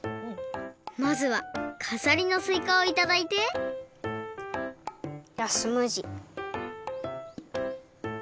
まずはかざりのすいかをいただいてじゃあスムージー。